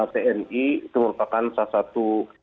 tni itu merupakan salah satu